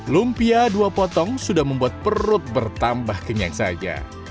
lumpia dua potong sudah membuat perut bertambah kenyang saja